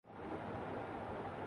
ہمارے جواب سے ان کی تسلی نہ ہوئی۔